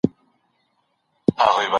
د پوهي په ډګر کي شک یو مثبت صفت ګڼل کېږي.